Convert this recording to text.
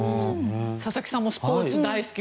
佐々木さんもスポーツ大好き。